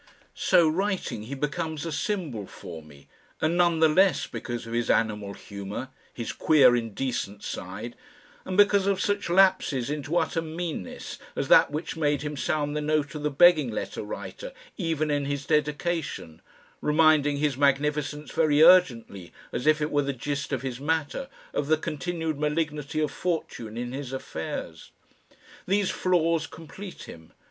So writing, he becomes a symbol for me, and the less none because of his animal humour, his queer indecent side, and because of such lapses into utter meanness as that which made him sound the note of the begging letter writer even in his "Dedication," reminding His Magnificence very urgently, as if it were the gist of his matter, of the continued malignity of fortune in his affairs. These flaws complete him.